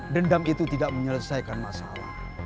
dendam itu tidak menyelesaikan masalah